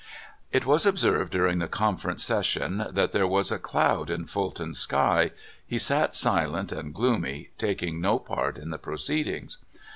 It was observed during the Conference session that there was a cloud in Fulton's sky — he sat silent and gloomy, taking no part in the proceed ings.